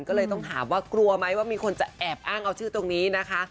ก็เลยต้องถามว่ากลัวไหมว่ามีคนจะแอบอ้างเอาชื่อตรงนี้นะคะ